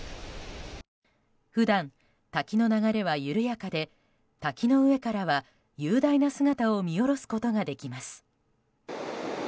普段、滝の流れは緩やかで滝の上からは雄大な姿を見下ろすことができます。